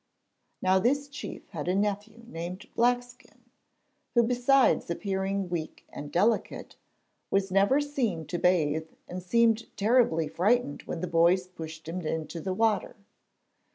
Now this chief had a nephew named Blackskin, who besides appearing weak and delicate, was never seen to bathe and seemed terribly frightened when the boys pushed him into the water.